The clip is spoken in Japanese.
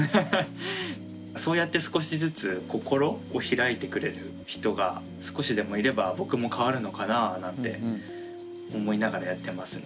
そうやって少しずつ心を開いてくれる人が少しでもいれば僕も変わるのかなあなんて思いながらやってますね。